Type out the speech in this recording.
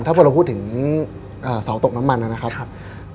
ถ้าพอเราพูดถึงเสาตกน้ำมันนะครับ